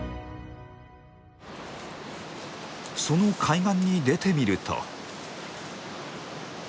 その海岸に出てみると。